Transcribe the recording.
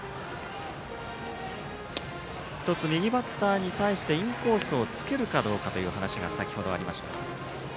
１つ、右バッターに対してインコースをつけるかどうかという話が先程ありました。